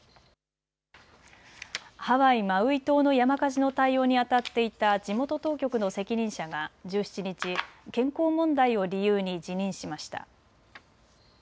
ハワイ・マウイ島の山火事の対応にあたっていた地元当局の責任者が１７日、健康問題を理由に辞任しました。